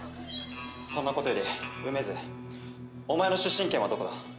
そんなことより梅津おまえの出身県はどこだ？